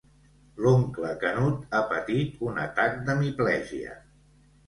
L'oncle Canut ha patit un atac d'hemiplegia.